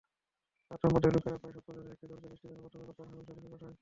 আদ সম্প্রদায়ের লোকেরা প্রায় সত্তরজনের একটি দলকে বৃষ্টির জন্যে প্রার্থনা করতে হারম শরীফে পাঠায়।